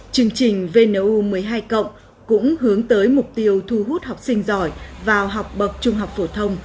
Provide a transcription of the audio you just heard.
chương trình vnu một mươi hai cũng hướng tới mục tiêu thu hút học sinh giỏi vào học bậc trung học phổ thông